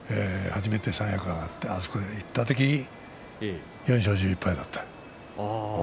初めて三役上がってあそこにいった時、４勝１１敗だった。